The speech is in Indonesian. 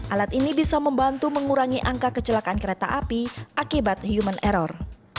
alat ini bisa membantu mengurangi angka kecelakaan kereta api akibat human error